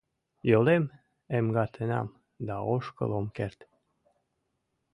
Йолем эмгатенам да ошкыл ом керт.